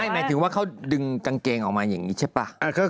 หมายถึงว่าเขาดึงกางเกงออกมาอย่างนี้ใช่ป่ะ